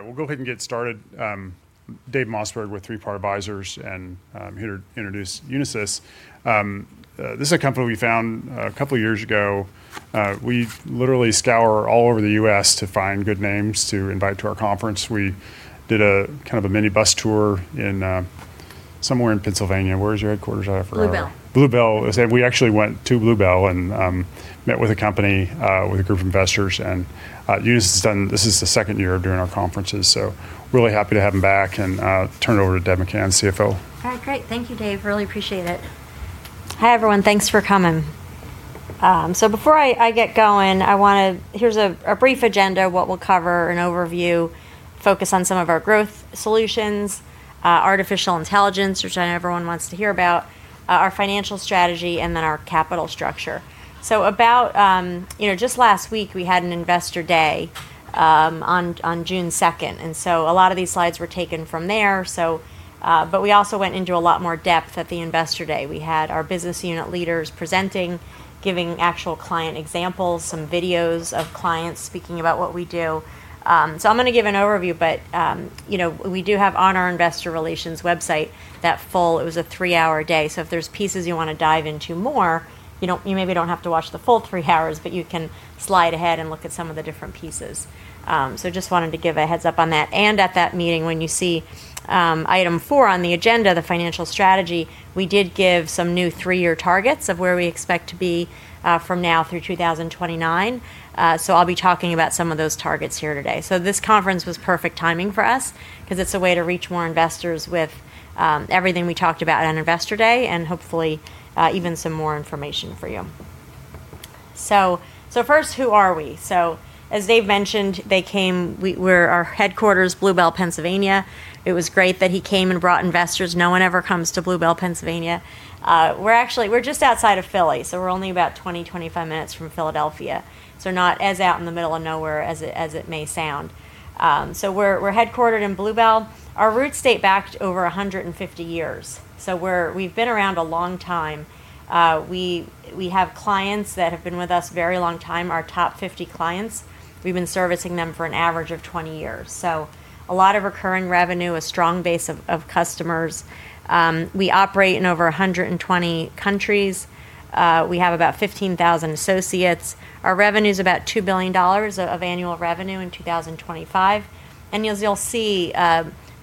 All right, we'll go ahead and get started. Dave Mossberg with Three Part Advisors. I'm here to introduce Unisys. This is a company we found a couple of years ago. We literally scour all over the U.S. to find good names to invite to our conference. We did a mini bus tour somewhere in Pennsylvania. Where is your headquarters? Blue Bell. Blue Bell. We actually went to Blue Bell and met with a company, with a group of investors. Unisys, this is the second year of doing our conferences, so really happy to have him back and turn it over to Debra McCann, CFO. All right. Great. Thank you, Dave. Really appreciate it. Hi, everyone. Thanks for coming. Before I get going, here's a brief agenda of what we'll cover, an overview, focus on some of our growth solutions, artificial intelligence, which I know everyone wants to hear about, our financial strategy, and then our capital structure. Just last week, we had an investor day on June 2nd. A lot of these slides were taken from there. We also went into a lot more depth at the investor day. We had our business unit leaders presenting, giving actual client examples, some videos of clients speaking about what we do. I'm going to give an overview, but we do have on our investor relations website that full, it was a three-hour day. If there's pieces you want to dive into more, you maybe don't have to watch the full three hours, but you can slide ahead and look at some of the different pieces. Just wanted to give a heads up on that. At that meeting, when you see item four on the agenda, the financial strategy, we did give some new three-year targets of where we expect to be from now through 2029. I'll be talking about some of those targets here today. This conference was perfect timing for us because it's a way to reach more investors with everything we talked about on investor day and hopefully even some more information for you. First, who are we? As Dave mentioned, our headquarters is Blue Bell, Pennsylvania. It was great that he came and brought investors. No one ever comes to Blue Bell, Pennsylvania. We're just outside of Philly, we're only about 20-25 minutes from Philadelphia. Not as out in the middle of nowhere as it may sound. We're headquartered in Blue Bell. Our roots date back over 150 years. We've been around a long time. We have clients that have been with us very long time. Our top 50 clients, we've been servicing them for an average of 20 years. A lot of recurring revenue, a strong base of customers. We operate in over 120 countries. We have about 15,000 associates. Our revenue's about $2 billion of annual revenue in 2025. As you'll see,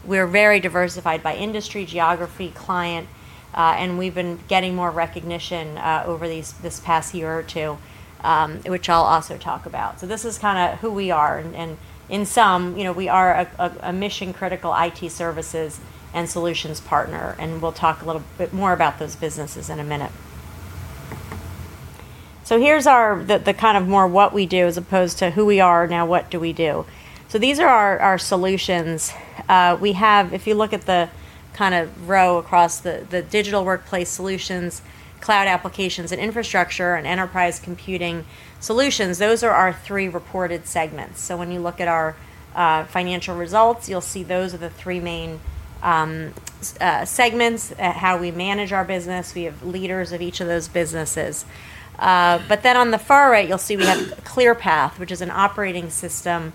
we're very diversified by industry, geography, client, and we've been getting more recognition over this past year or two, which I'll also talk about. This is who we are. In sum, we are a mission-critical IT services and solutions partner. We'll talk a little bit more about those businesses in a minute. Here's the more what we do as opposed to who we are. What do we do? These are our solutions. If you look at the row across the Digital Workplace Solutions, Cloud, Applications & Infrastructure, and Enterprise Computing Solutions, those are our three reported segments. When you look at our financial results, you'll see those are the three main segments, how we manage our business. We have leaders of each of those businesses. On the far right, you'll see we have ClearPath, which is an operating system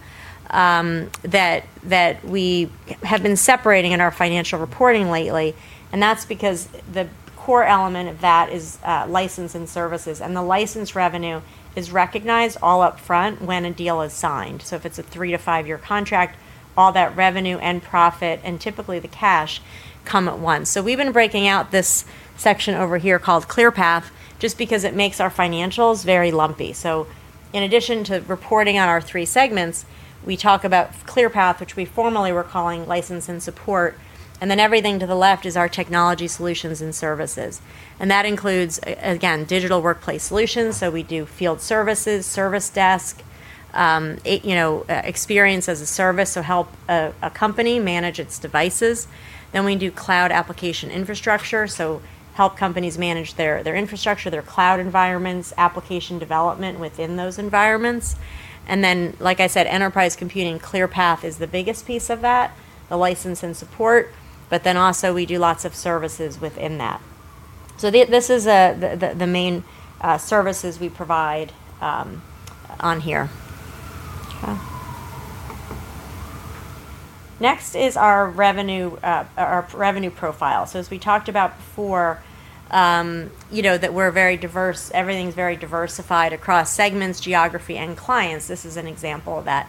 that we have been separating in our financial reporting lately. That's because the core element of that is license and services. The license revenue is recognized all up front when a deal is signed. If it's a 3-5 year contract, all that revenue and profit, and typically the cash, come at once. We've been breaking out this section over here called ClearPath, just because it makes our financials very lumpy. In addition to reporting on our three segments, we talk about ClearPath, which we formerly were calling License and Support. Everything to the left is our technology solutions and services. That includes, again, Digital Workplace Solutions. We do field services, service desk, Experience-as-a-Service, help a company manage its devices. We do Cloud, Applications & Infrastructure, help companies manage their infrastructure, their cloud environments, application development within those environments. Like I said, enterprise computing, ClearPath is the biggest piece of that, the License and Support. Also we do lots of services within that. This is the main services we provide on here. Okay. Next is our revenue profile. As we talked about before, that we're very diverse, everything's very diversified across segments, geography, and clients. This is an example of that.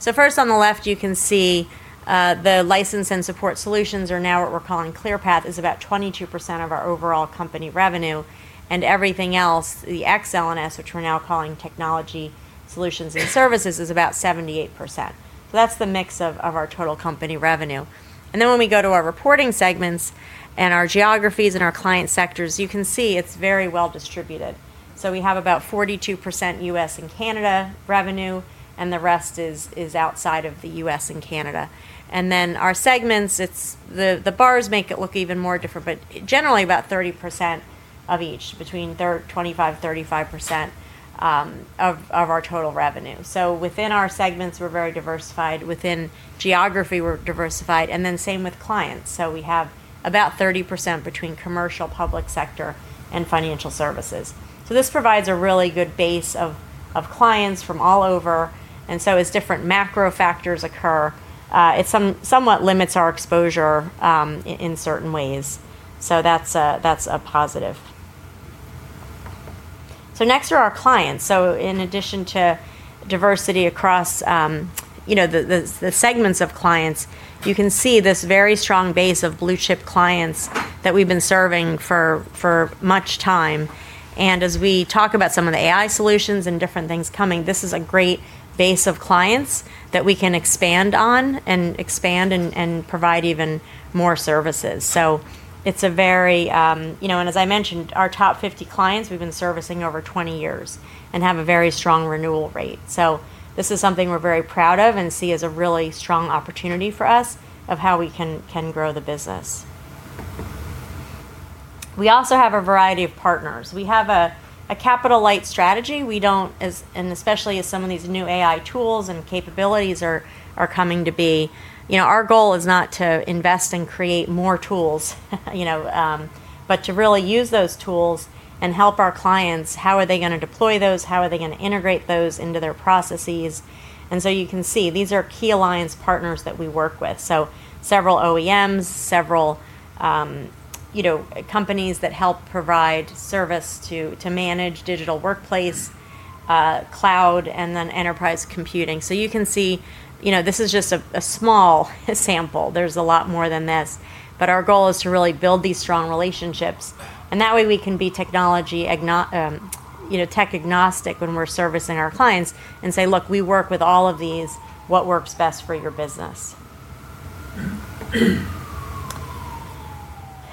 First on the left, you can see the License and Support solutions are now what we're calling ClearPath, is about 22% of our overall company revenue. Everything else, the XLS, which we're now calling Technology Solutions and Services, is about 78%. That's the mix of our total company revenue. When we go to our reporting segments and our geographies and our client sectors, you can see it's very well distributed. We have about 42% U.S. and Canada revenue, and the rest is outside of the U.S. and Canada. Our segments, the bars make it look even more different, but generally about 30% of each, between 25%-35% of our total revenue. Within our segments, we're very diversified. Within geography, we're diversified. Same with clients. We have about 30% between commercial, public sector, and financial services. This provides a really good base of clients from all over. As different macro factors occur, it somewhat limits our exposure in certain ways. That's a positive. Next are our clients. In addition to diversity across the segments of clients, you can see this very strong base of blue-chip clients that we've been serving for much time. As we talk about some of the AI solutions and different things coming, this is a great base of clients that we can expand on and expand and provide even more services. As I mentioned, our top 50 clients we've been servicing over 20 years and have a very strong renewal rate. This is something we're very proud of and see as a really strong opportunity for us of how we can grow the business. We also have a variety of partners. We have a capital-light strategy. Especially as some of these new AI tools and capabilities are coming to be, our goal is not to invest and create more tools, but to really use those tools and help our clients. How are they going to deploy those? How are they going to integrate those into their processes? You can see, these are key alliance partners that we work with. Several OEMs, several companies that help provide service to manage Digital Workplace, Cloud, and then Enterprise Computing. You can see, this is just a small sample. There's a lot more than this, but our goal is to really build these strong relationships, and that way we can be tech agnostic when we're servicing our clients and say, "Look, we work with all of these. What works best for your business?"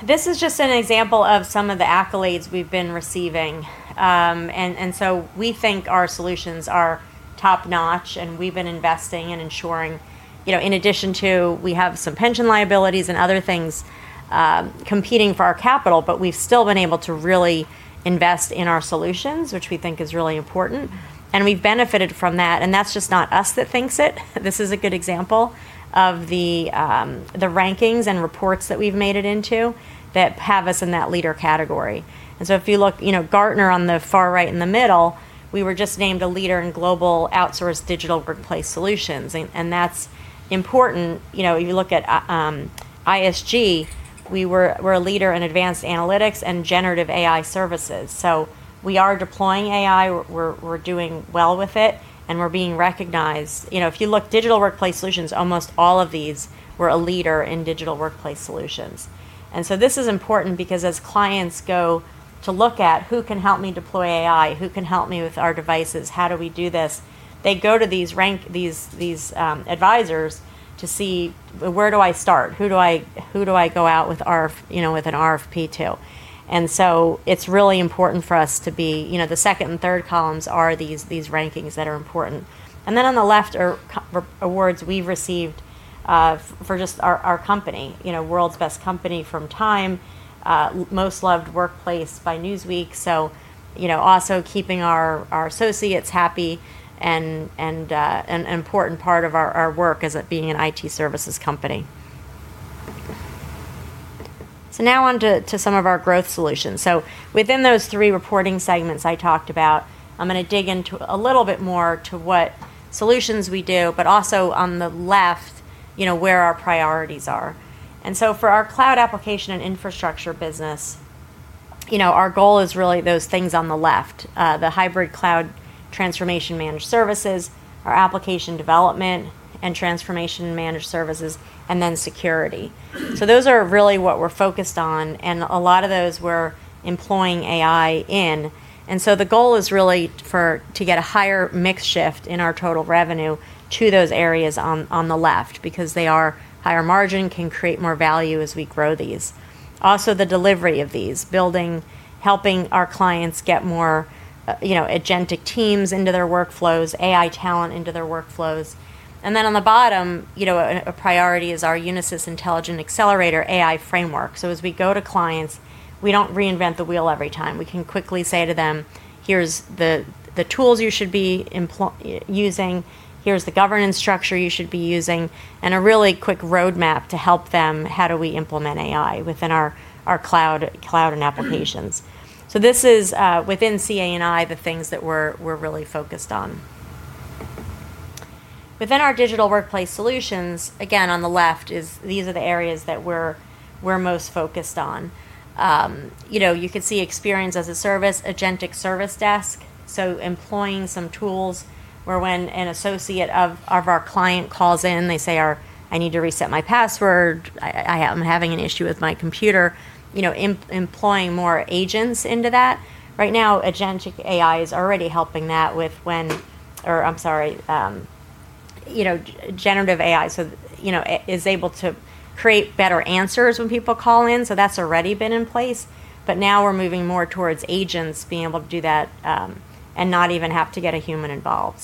This is just an example of some of the accolades we've been receiving. We think our solutions are top-notch, and we've been investing and ensuring, in addition to we have some pension liabilities and other things competing for our capital, but we've still been able to really invest in our solutions, which we think is really important, and we've benefited from that. That's just not us that thinks it. This is a good example of the rankings and reports that we've made it into that have us in that leader category. If you look, Gartner on the far right in the middle, we were just named a leader in Global Outsourced Digital Workplace Solutions. That's important. You look at ISG, we're a leader in advanced analytics and generative AI services. We are deploying AI. We're doing well with it, and we're being recognized. If you look, Digital Workplace Solutions, almost all of these, we're a leader in Digital Workplace Solutions. This is important because as clients go to look at who can help me deploy AI, who can help me with our devices, how do we do this, they go to these advisors to see where do I start, who do I go out with an RFP to. It's really important for us to be the second and third columns are these rankings that are important. On the left are awards we've received for just our company, World's Best Company from Time, Most Loved Workplace by Newsweek. Also keeping our associates happy and an important part of our work as it being an IT services company. Now on to some of our growth solutions. Within those three reporting segments I talked about, I'm going to dig into a little bit more to what solutions we do, but also on the left, where our priorities are. For our Cloud, Applications & Infrastructure business, our goal is really those things on the left, the hybrid cloud transformation managed services, our application development and transformation managed services, and then security. Those are really what we're focused on, and a lot of those we're employing AI in. The goal is really to get a higher mix shift in our total revenue to those areas on the left, because they are higher margin, can create more value as we grow these. Also, the delivery of these, building, helping our clients get more agentic teams into their workflows, AI talent into their workflows. On the bottom, a priority is our Unisys Intelligence Accelerator AI framework. As we go to clients, we don't reinvent the wheel every time. We can quickly say to them, "Here's the tools you should be using, here's the governance structure you should be using," and a really quick roadmap to help them, how do we implement AI within our cloud and applications. This is, within CA&I, the things that we're really focused on. Within our Digital Workplace Solutions, again, on the left, these are the areas that we're most focused on. You could see Experience-as-a-Service, Agentic Service Desk. Employing some tools where when an associate of our client calls in, they say, "I need to reset my password. I'm having an issue with my computer." Employing more agents into that. Right now, agentic AI is already helping that with when, or, I'm sorry. generative AI is able to create better answers when people call in, so that's already been in place. Now we're moving more towards agents being able to do that, and not even have to get a human involved.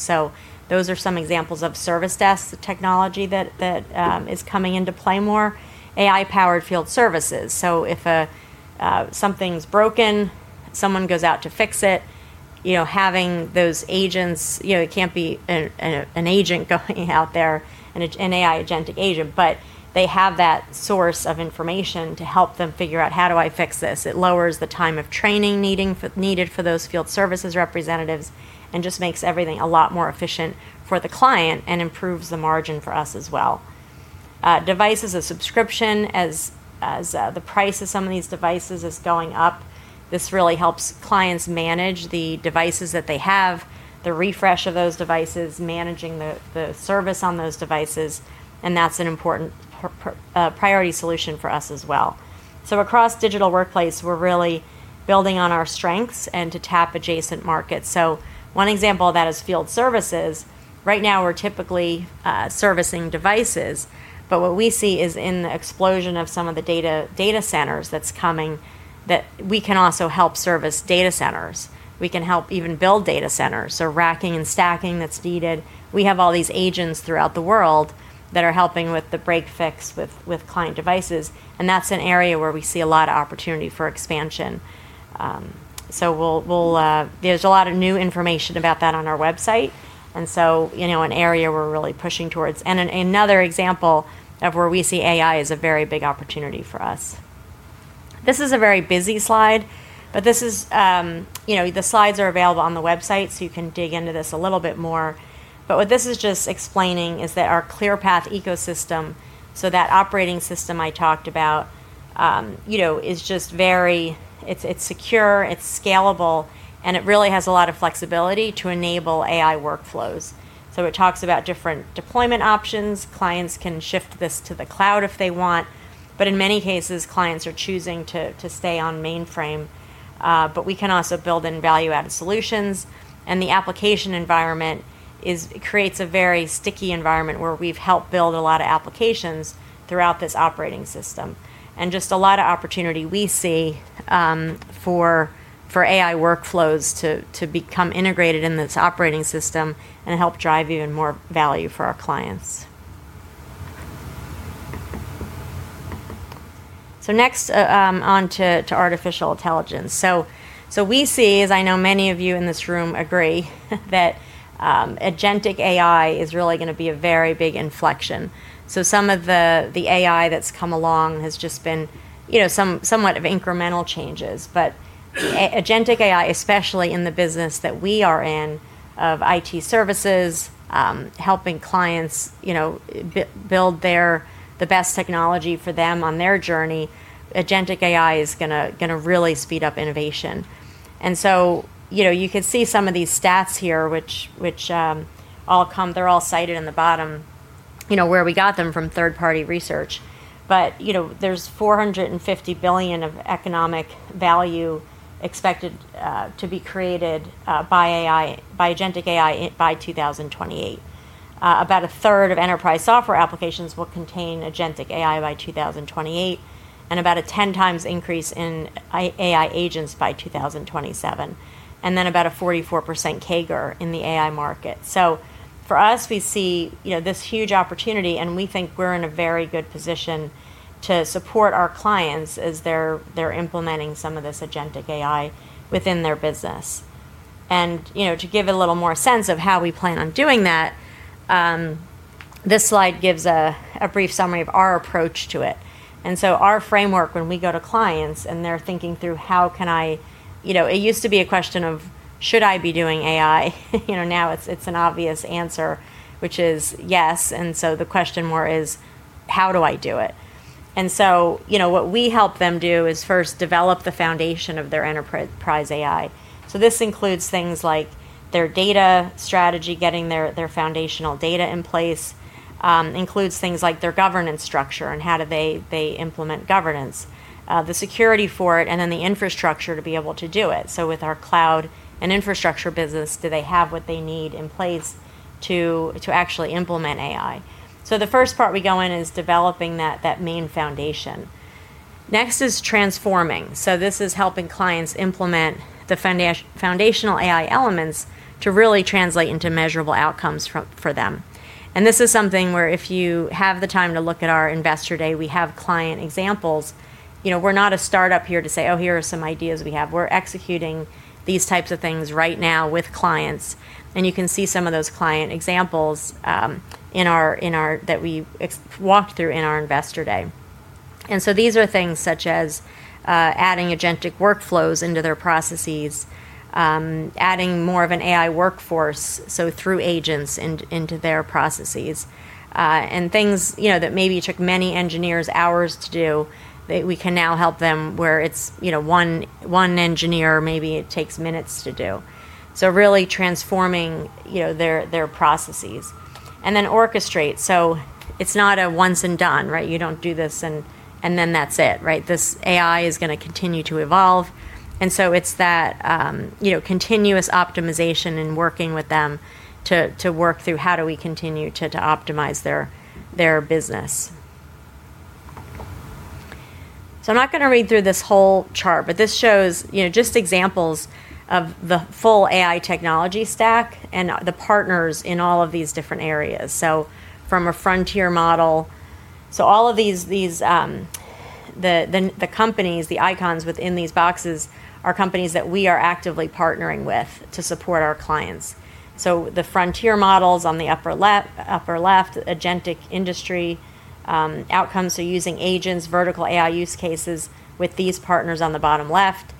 Those are some examples of service desk technology that is coming into play more. AI-powered field services. If something's broken, someone goes out to fix it, having those agents, it can't be an agent going out there, an AI agentic agent, but they have that source of information to help them figure out, how do I fix this? It lowers the time of training needed for those field services representatives and just makes everything a lot more efficient for the client and improves the margin for us as well. Devices as subscription, as the price of some of these devices is going up, this really helps clients manage the devices that they have, the refresh of those devices, managing the service on those devices, and that's an important priority solution for us as well. Across Digital Workplace, we're really building on our strengths and to tap adjacent markets. One example of that is field services. Right now, we're typically servicing devices, but what we see is in the explosion of some of the data centers that's coming, that we can also help service data centers. We can help even build data centers. Racking and stacking that's needed. We have all these agents throughout the world that are helping with the break-fix with client devices, and that's an area where we see a lot of opportunity for expansion. There's a lot of new information about that on our website, an area we're really pushing towards. Another example of where we see AI is a very big opportunity for us. This is a very busy slide, but the slides are available on the website, so you can dig into this a little bit more. What this is just explaining is that our ClearPath ecosystem, that operating system I talked about, it's secure, it's scalable, and it really has a lot of flexibility to enable AI workflows. It talks about different deployment options. Clients can shift this to the cloud if they want, but in many cases, clients are choosing to stay on mainframe. We can also build in value-added solutions, and the application environment creates a very sticky environment where we've helped build a lot of applications throughout this operating system, and just a lot of opportunity we see for AI workflows to become integrated in this operating system and help drive even more value for our clients. Next, on to artificial intelligence. We see, as I know many of you in this room agree, that agentic AI is really going to be a very big inflection. Some of the AI that's come along has just been somewhat of incremental changes. Agentic AI, especially in the business that we are in of IT services, helping clients build the best technology for them on their journey, agentic AI is going to really speed up innovation. You can see some of these stats here, they're all cited in the bottom, where we got them from third-party research. There's $450 billion of economic value expected to be created by agentic AI by 2028. About a third of enterprise software applications will contain agentic AI by 2028, and about a 10x increase in AI agents by 2027. About a 44% CAGR in the AI market. For us, we see this huge opportunity, and we think we're in a very good position to support our clients as they're implementing some of this agentic AI within their business. To give a little more sense of how we plan on doing that, this slide gives a brief summary of our approach to it. Our framework when we go to clients and they're thinking through how can I. It used to be a question of should I be doing AI? Now it's an obvious answer, which is yes. The question more is how do I do it? What we help them do is first develop the foundation of their enterprise AI. This includes things like their data strategy, getting their foundational data in place. Includes things like their governance structure and how do they implement governance, the security for it, the infrastructure to be able to do it. With our cloud and infrastructure business, do they have what they need in place to actually implement AI? The first part we go in is developing that main foundation. Next is transforming. This is helping clients implement the foundational AI elements to really translate into measurable outcomes for them. This is something where if you have the time to look at our investor day, we have client examples. We're not a startup here to say, "Oh, here are some ideas we have." We're executing these types of things right now with clients, and you can see some of those client examples that we walked through in our investor day. These are things such as adding agentic workflows into their processes, adding more of an AI workforce, so through agents into their processes. Things that maybe took many engineers hours to do, we can now help them where it's one engineer, maybe it takes minutes to do. Really transforming their processes. Then orchestrate. It's not a once and done, right? You don't do this, then that's it, right? This AI is going to continue to evolve. It's that continuous optimization and working with them to work through how do we continue to optimize their business. I'm not going to read through this whole chart, but this shows just examples of the full AI technology stack and the partners in all of these different areas. From a frontier model. All of the companies, the icons within these boxes are companies that we are actively partnering with to support our clients. The frontier models on the upper left, agentic industry outcomes, so using agents, vertical AI use cases with these partners on the bottom left.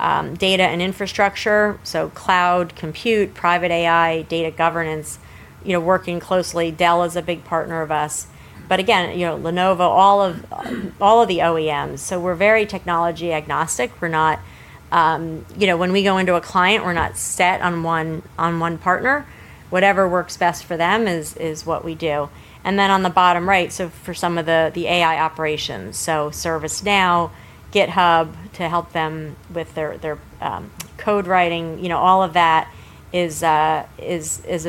Data and infrastructure, so cloud compute, private AI, data governance, working closely. Dell is a big partner of us. But again, Lenovo, all of the OEMs. We're very technology agnostic. When we go into a client, we're not set on one partner. Whatever works best for them is what we do. Then on the bottom right, for some of the AI operations. ServiceNow, GitHub to help them with their code writing, all of that is a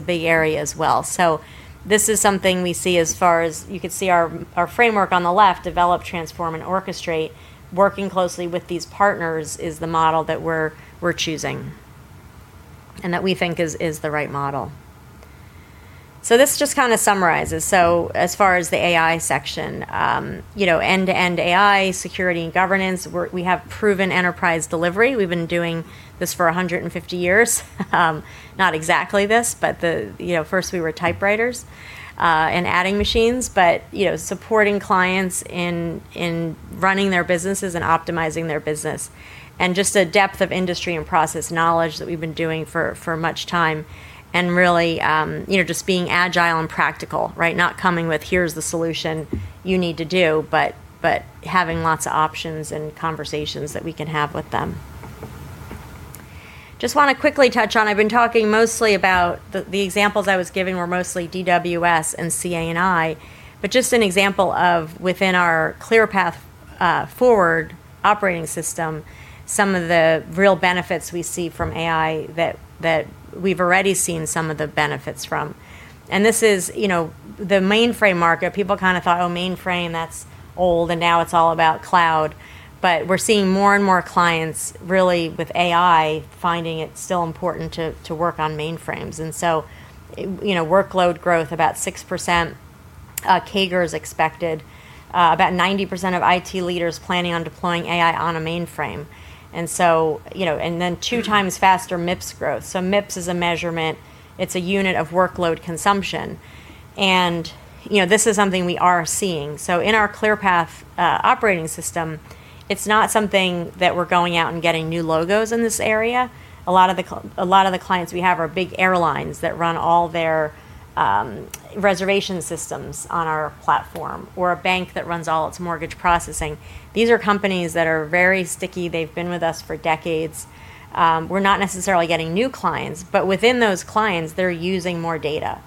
big area as well. This is something we see as far as you could see our framework on the left, develop, transform, and orchestrate. Working closely with these partners is the model that we're choosing and that we think is the right model. This just kind of summarizes. As far as the AI section, end-to-end AI, security and governance, we have proven enterprise delivery. We've been doing this for 150 years. Not exactly this, but first we were typewriters and adding machines, but supporting clients in running their businesses and optimizing their business, and just a depth of industry and process knowledge that we've been doing for much time, and really just being agile and practical, right. Not coming with, "Here's the solution you need to do," but having lots of options and conversations that we can have with them. Just want to quickly touch on, I've been talking mostly about the examples I was giving were mostly DWS and CA&I, but just an example of within our ClearPath Forward operating system, some of the real benefits we see from AI that we've already seen some of the benefits from. This is the mainframe market, people kind of thought, "Oh, mainframe, that's old, and now it's all about Cloud." We're seeing more and more clients really with AI finding it's still important to work on mainframes. Workload growth about 6% CAGR is expected. About 90% of IT leaders planning on deploying AI on a mainframe. Then two times faster MIPS growth. MIPS is a measurement, it's a unit of workload consumption. This is something we are seeing. In our ClearPath operating system, it's not something that we're going out and getting new logos in this area. A lot of the clients we have are big airlines that run all their reservation systems on our platform, or a bank that runs all its mortgage processing. These are companies that are very sticky. They've been with us for decades. We're not necessarily getting new clients, but within those clients, they're using more data.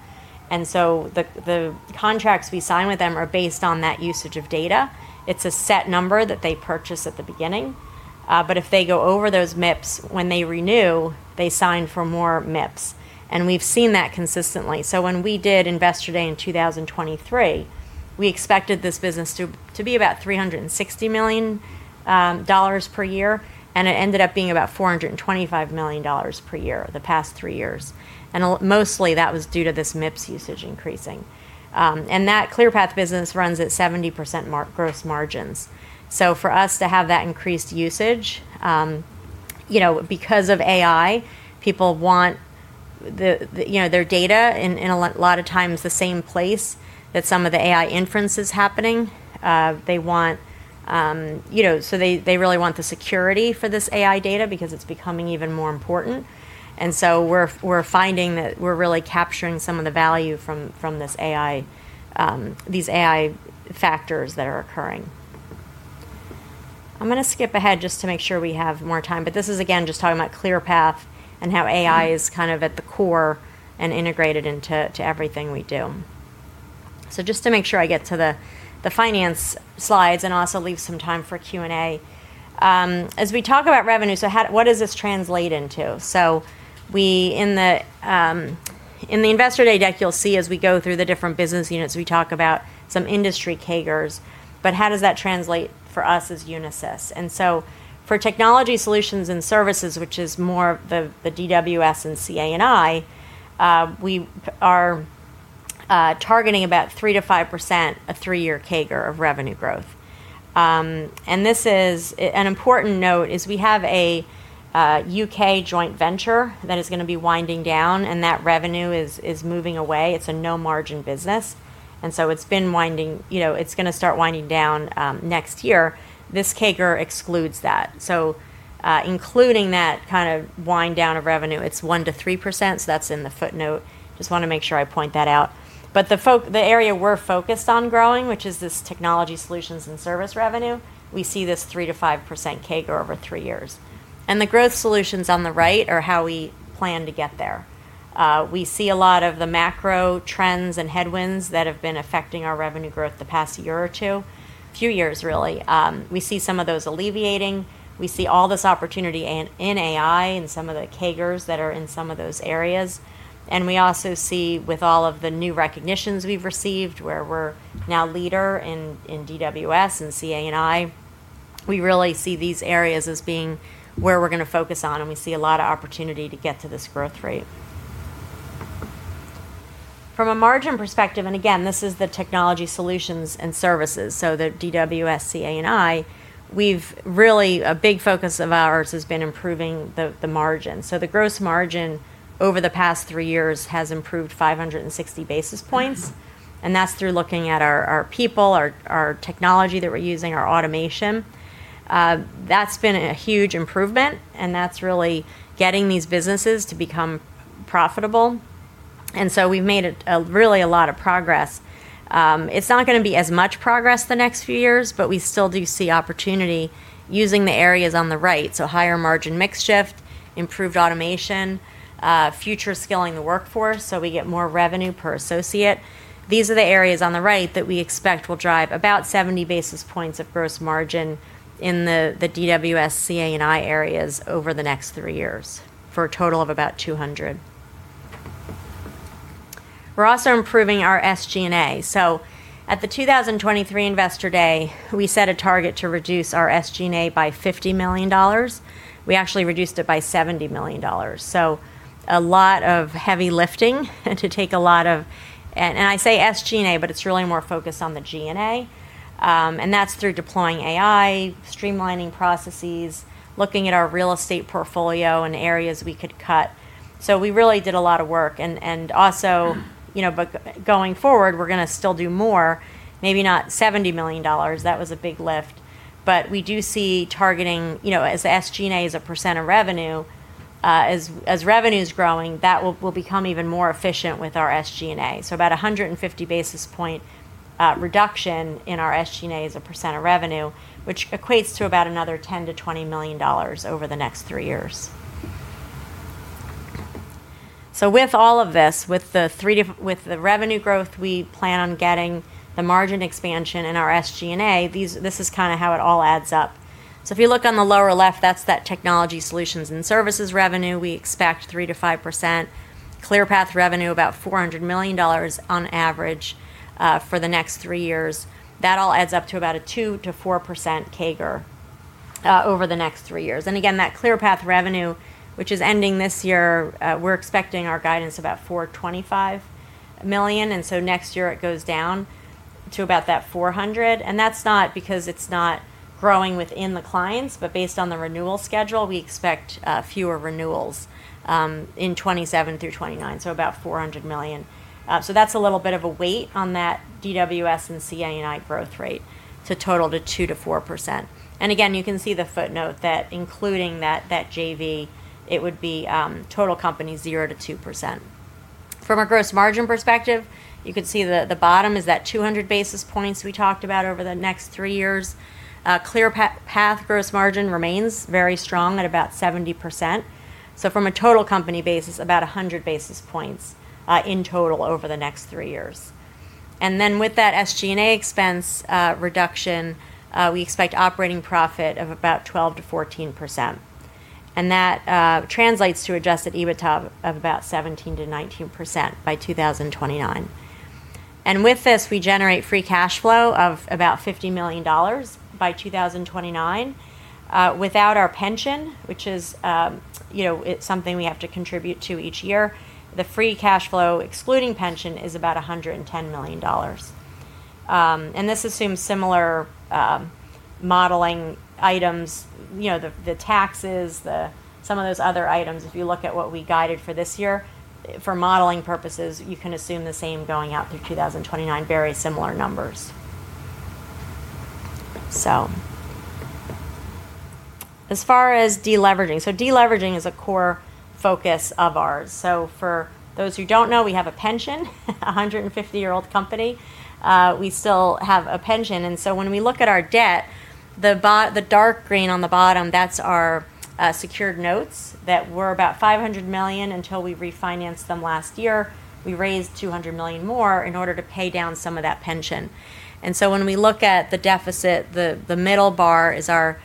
The contracts we sign with them are based on that usage of data. It's a set number that they purchase at the beginning. If they go over those MIPS when they renew, they sign for more MIPS. We've seen that consistently. When we did Investor Day in 2023, we expected this business to be about $360 million per year, and it ended up being about $425 million per year the past three years. Mostly that was due to this MIPS usage increasing. That ClearPath business runs at 70% gross margins. For us to have that increased usage, because of AI, people want their data in a lot of times the same place that some of the AI inference is happening. They really want the security for this AI data because it's becoming even more important. We're finding that we're really capturing some of the value from these AI factors that are occurring. I'm going to skip ahead just to make sure we have more time, but this is again just talking about ClearPath and how AI is at the core and integrated into everything we do. Just to make sure I get to the finance slides and also leave some time for Q&A. As we talk about revenue, what does this translate into? In the investor day deck, you'll see as we go through the different business units, we talk about some industry CAGRs, but how does that translate for us as Unisys? For technology solutions and services, which is more of the DWS and CA&I, we are targeting about 3%-5% of three-year CAGR of revenue growth. An important note is we have a U.K. joint venture that is going to be winding down, and that revenue is moving away. It's a no-margin business, it's going to start winding down next year. This CAGR excludes that. Including that wind down of revenue, it's 1%-3%, that's in the footnote. Just want to make sure I point that out. The area we're focused on growing, which is this technology solutions and service revenue, we see this 3%-5% CAGR over three years. The growth solutions on the right are how we plan to get there. We see a lot of the macro trends and headwinds that have been affecting our revenue growth the past year or two, few years, really. We see some of those alleviating. We see all this opportunity in AI and some of the CAGRs that are in some of those areas. We also see with all of the new recognitions we've received, where we're now leader in DWS and CA&I, we really see these areas as being where we're going to focus on, and we see a lot of opportunity to get to this growth rate. From a margin perspective, again, this is the technology solutions and services, the DWS, CA&I, really a big focus of ours has been improving the margin. The gross margin over the past three years has improved 560 basis points, and that's through looking at our people, our technology that we're using, our automation. That's been a huge improvement, and that's really getting these businesses to become profitable. We've made, really, a lot of progress. It's not going to be as much progress the next few years, but we still do see opportunity using the areas on the right: higher margin mix shift, improved automation, future scaling the workforce, so we get more revenue per associate. These are the areas on the right that we expect will drive about 70 basis points of gross margin in the DWS, CA&I areas over the next three years, for a total of about 200. We're also improving our SG&A. At the 2023 Investor Day, we set a target to reduce our SG&A by $50 million. We actually reduced it by $70 million. A lot of heavy lifting, and to take a lot of. I say SG&A, but it's really more focused on the G&A. That's through deploying AI, streamlining processes, looking at our real estate portfolio, and areas we could cut. We really did a lot of work. Going forward, we're going to still do more, maybe not $70 million. That was a big lift. We do see targeting SG&A as a percentage of revenue. As revenue's growing, that will become even more efficient with our SG&A. About 150 basis point reduction in our SG&A as a percentage of revenue, which equates to about another $10 million-$20 million over the next three years. With all of this, with the revenue growth, we plan on getting the margin expansion in our SG&A. This is how it all adds up. If you look on the lower left, that's that technology solutions and services revenue. We expect 3%-5%. ClearPath revenue, about $400 million on average for the next three years. That all adds up to about a 2%-4% CAGR over the next three years. Again, that ClearPath revenue, which is ending this year, we're expecting our guidance about $425 million. Next year it goes down to about that $400 million. That's not because it's not growing within the clients, but based on the renewal schedule, we expect fewer renewals in 2027 through 2029, so about $400 million. That's a little bit of a weight on that DWS and CA&I growth rate to total to 2%-4%. Again, you can see the footnote that including that JV, it would be total company 0%-2%. From a gross margin perspective, you could see the bottom is that 200 basis points we talked about over the next three years. ClearPath gross margin remains very strong at about 70%. From a total company basis, about 100 basis points in total over the next three years. With that SG&A expense reduction, we expect operating profit of about 12%-14%. That translates to adjusted EBITDA of about 17%-19% by 2029. With this, we generate free cash flow of about $50 million by 2029. Without our pension, which is something we have to contribute to each year, the free cash flow excluding pension is about $110 million. This assumes similar modeling items, the taxes, some of those other items. If you look at what we guided for this year, for modeling purposes, you can assume the same going out through 2029, very similar numbers. As far as de-leveraging, de-leveraging is a core focus of ours. For those who don't know, we have a pension, 150-year-old company. We still have a pension. When we look at our debt, the dark green on the bottom, that's our secured notes that were about $500 million until we refinanced them last year. We raised $200 million more in order to pay down some of that pension. When we look at the deficit, the middle bar is our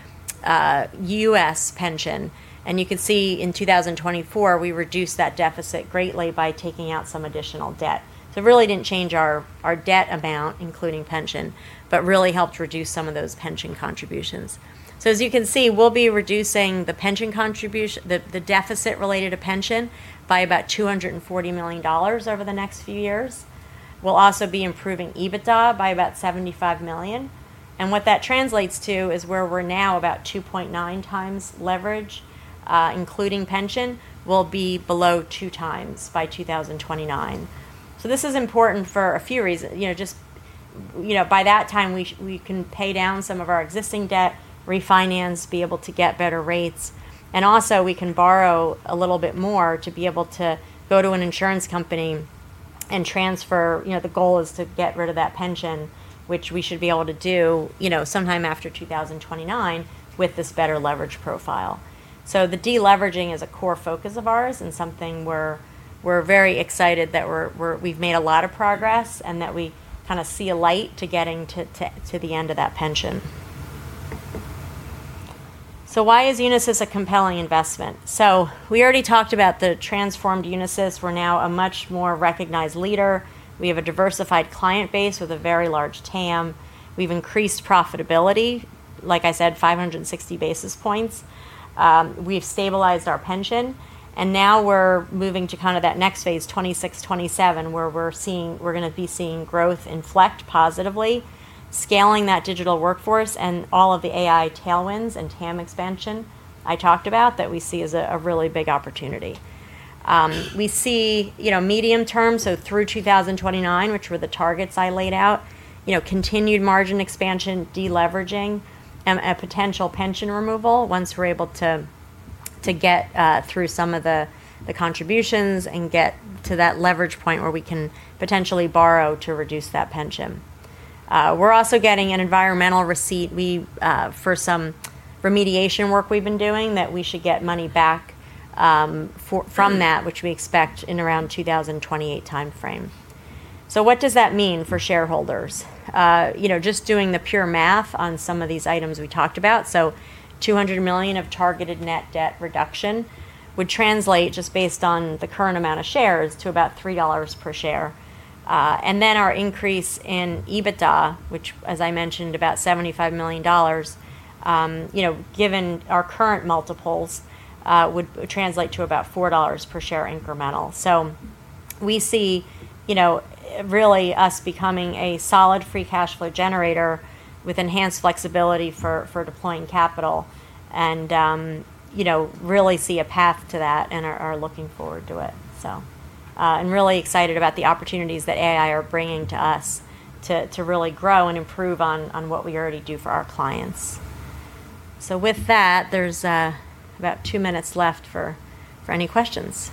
U.S. pension. You can see in 2024, we reduced that deficit greatly by taking out some additional debt. It really didn't change our debt amount, including pension, but really helped reduce some of those pension contributions. As you can see, we'll be reducing the deficit related to pension by about $240 million over the next few years. We'll also be improving EBITDA by about $75 million. What that translates to is where we're now about 2.9x leverage, including pension, will be below 2x by 2029. This is important for a few reasons. By that time, we can pay down some of our existing debt, refinance, be able to get better rates. Also, we can borrow a little bit more to be able to go to an insurance company and transfer. The goal is to get rid of that pension, which we should be able to do sometime after 2029 with this better leverage profile. The de-leveraging is a core focus of ours and something we're very excited that we've made a lot of progress and that we kind of see a light to getting to the end of that pension. Why is Unisys a compelling investment? We already talked about the transformed Unisys. We're now a much more recognized leader. We have a diversified client base with a very large TAM. We've increased profitability. Like I said, 560 basis points. We've stabilized our pension. Now we're moving to that next phase, 2026, 2027, where we're going to be seeing growth inflect positively, scaling that digital workforce and all of the AI tailwinds and TAM expansion I talked about that we see as a really big opportunity. We see medium term, through 2029, which were the targets I laid out, continued margin expansion, de-leveraging, and a potential pension removal once we're able to get through some of the contributions and get to that leverage point where we can potentially borrow to reduce that pension. We're also getting an environmental receipt for some remediation work we've been doing that we should get money back from that, which we expect in around 2028 timeframe. What does that mean for shareholders? Just doing the pure math on some of these items we talked about, $200 million of targeted net debt reduction would translate, just based on the current amount of shares, to about $3 per share. Our increase in EBITDA, which as I mentioned, about $75 million, given our current multiples, would translate to about $4 per share incremental. We see really us becoming a solid free cash flow generator with enhanced flexibility for deploying capital and really see a path to that and are looking forward to it. Really excited about the opportunities that AI are bringing to us to really grow and improve on what we already do for our clients. With that, there's about 2 minutes left for any questions.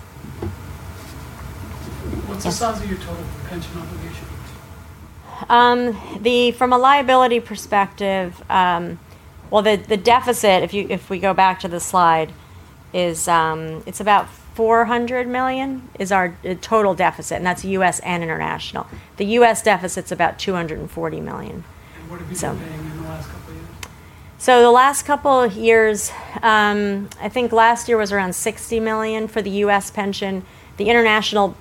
What's the size of your total pension obligations? From a liability perspective, well, the deficit, if we go back to the slide, it's about $400 million is our total deficit, and that's U.S. and international. The U.S. deficit's about $240 million. What have you been paying in the last couple of years? The last couple of years, I think last year was around $60 million for the U.S. pension. The international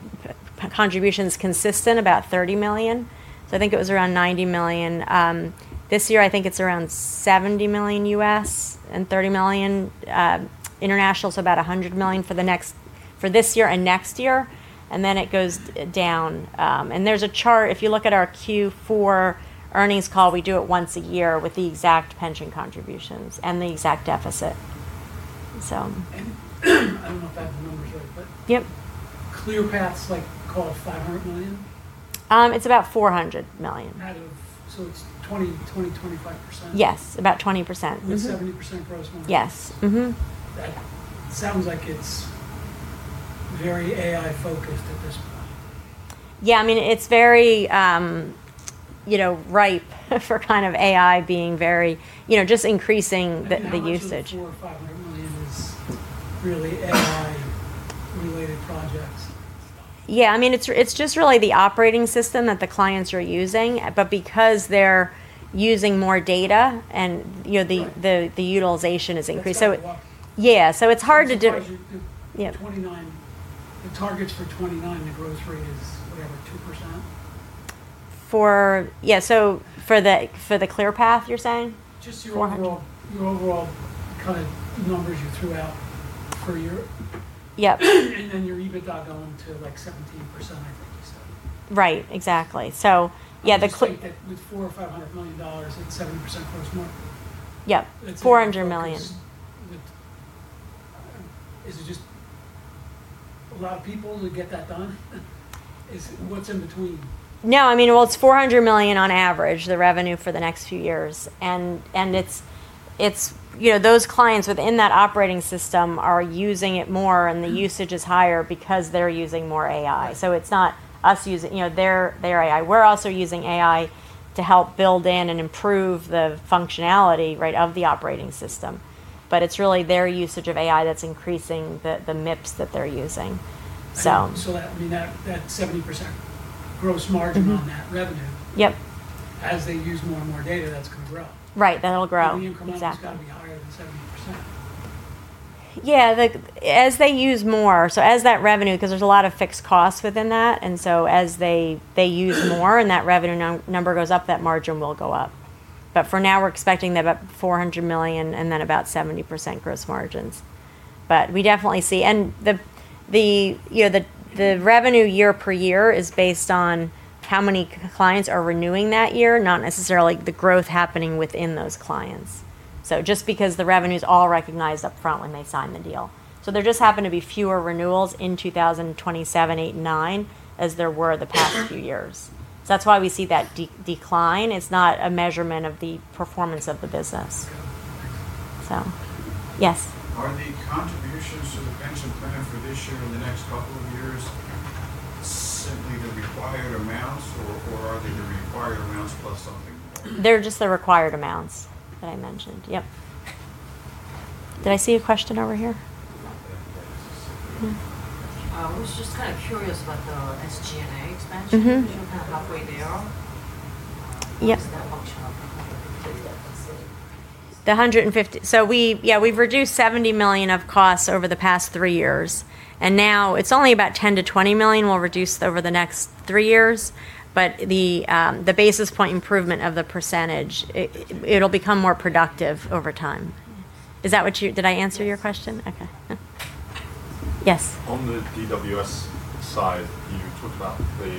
contribution's consistent, about $30 million. I think it was around $90 million. This year, I think it's around $70 million U.S. and $30 million international, so about $100 million for this year and next year, and then it goes down. There's a chart, if you look at our Q4 earnings call, we do it once a year with the exact pension contributions and the exact deficit. I don't know if I have the numbers right. Yep ClearPath's called $500 million? It's about $400 million. Out of, it's 20%-25%. Yes, about 20%. With 70% gross margin. Yes. That sounds like it's very AI-focused at this point. Yeah, it's very ripe for AI just increasing the usage. How much of the $400 or $500 million is really AI-related projects? Yeah. It's just really the operating system that the clients are using because they're using more data and the utilization is increased. That's right. Yeah. It surprises you because the targets for 2029, the growth rate is, what, like 2%? For the ClearPath, you're saying? Just your- 400 overall kind of numbers you threw out per year. Yep. Your EBITDA going to 17%, I think you said. Right. Exactly. Yeah, the I'm just saying that with $400 or $500 million, it's 70% gross margin. Yep. $400 million. Is it just a lot of people to get that done? What's in between? No, well, it's $400 million on average, the revenue for the next few years. Those clients within that operating system are using it more, and the usage is higher because they're using more AI. Right. It's not us using, their AI. We're also using AI to help build in and improve the functionality, right, of the operating system. It's really their usage of AI that's increasing the MIPS that they're using. That would mean that 70% gross margin on that revenue- Yep as they use more and more data, that's going to grow. Right. That'll grow. Exactly. The incremental's got to be higher than 70%. Yeah. As they use more, as that revenue, because there's a lot of fixed costs within that, as they use more and that revenue number goes up, that margin will go up. For now, we're expecting about $400 million and then about 70% gross margins. We definitely see. The revenue year per year is based on how many clients are renewing that year, not necessarily the growth happening within those clients, just because the revenue's all recognized upfront when they sign the deal. There just happen to be fewer renewals in 2027, 2028, 2029, as there were the past few years. That's why we see that decline. It's not a measurement of the performance of the business. Okay. Thanks. Yes? Are the contributions to the pension plan for this year or the next couple of years simply the required amounts, or are they the required amounts plus something more? They're just the required amounts that I mentioned. Yep. Did I see a question over here? Not that I see. No. I was just kind of curious about the SG&A expansion. Are you kind of halfway there on- Yep Is that functional for 150 efficiency? The 150. We've reduced $70 million of costs over the past three years, and now it's only about $10 million-$20 million we'll reduce over the next three years. The basis point improvement of the percentage, it'll become more productive over time. Did I answer your question? Okay. Yes. On the DWS side, you talked about the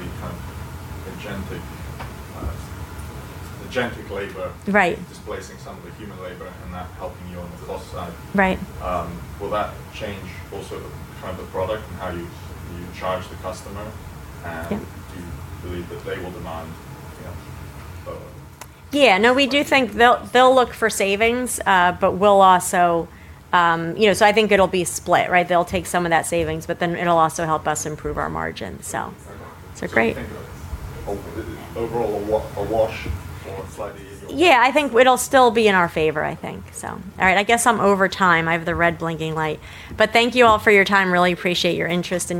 agentic labor Right displacing some of the human labor and that helping you on the cost side. Right. Will that change also the product and how you charge the customer? Yep. Do you believe that they will demand AI further? Yeah. No, we do think they'll look for savings. I think it'll be split, right? They'll take some of that savings, but then it'll also help us improve our margin. It's great. You think that it's overall a wash or slightly in your favor? Yeah, I think it'll still be in our favor, I think. All right. I guess I'm over time. I have the red blinking light. Thank you all for your time. Really appreciate your interest.